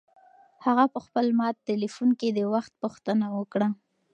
هغه په خپل مات تلیفون کې د وخت پوښتنه وکړه.